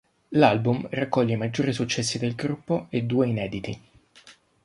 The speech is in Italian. L'album raccoglie i maggiori successo del gruppo e due inediti.